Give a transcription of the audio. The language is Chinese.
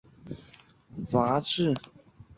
全部都发表在小学馆所发行的杂志。